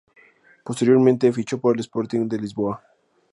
Posteriormente, fichó por el Sporting de Lisboa.